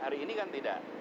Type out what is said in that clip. hari ini kan tidak